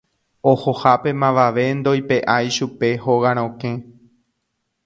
Ohohápe mavave ndoipe'ái chupe hóga rokẽ.